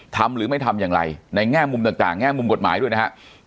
หรือไม่ทำอย่างไรในแง่มุมต่างแง่มุมกฎหมายด้วยนะครับ